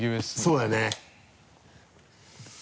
そうだよね。